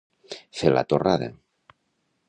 Fer la torrada.